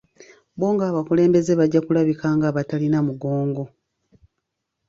Bo ng'abakulembeze bajja kulabika ng'abatalina mugongo.